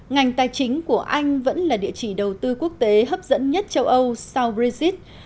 ngành tài chính của anh vẫn là địa chỉ đầu tư quốc tế hấp dẫn nhất châu âu sau brexit